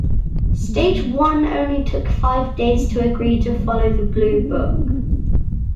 Stage I only took five days to agree to follow the Blue Book.